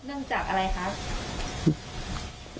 เรื่องจากอะไรครับ